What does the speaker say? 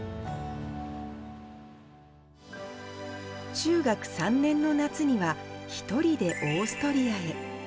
中学３年の夏には、１人でオーストリアへ。